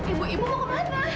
ibu ibu mau kemana